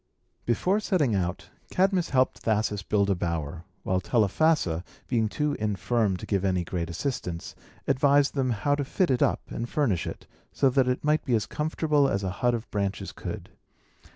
Before setting out, Cadmus helped Thasus build a bower; while Telephassa, being too infirm to give any great assistance, advised them how to fit it up and furnish it, so that it might be as comfortable as a hut of branches could.